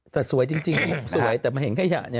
แต่สวยจริงสวยแต่มาเห็นขยะ